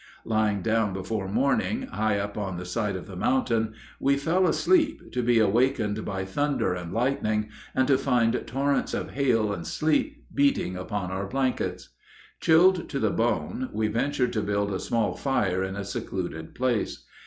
Lying down before morning, high up on the side of the mountain, we fell asleep, to be awakened by thunder and lightning, and to find torrents of hail and sleet beating upon our blankets. Chilled to the bone, we ventured to build a small fire in a secluded place.